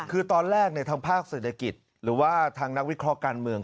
คือตอนแรกทางภาคเศรษฐกิจหรือว่าทางนักวิเคราะห์การเมือง